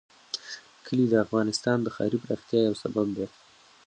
کلي د افغانستان د ښاري پراختیا یو سبب دی.